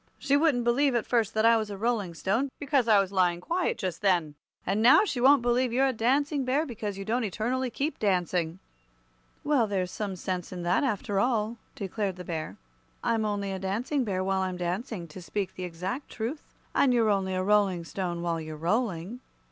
She wouldn't believe, at first, that I was a Rolling Stone, because I was lying quiet just then. And now she won't believe you're a Dancing Bear, because you don't eternally keep dancing." "Well, there's some sense in that, after all," declared the Bear. "I'm only a Dancing Bear while I'm dancing, to speak the exact truth; and you're only a Rolling Stone while you're rolling."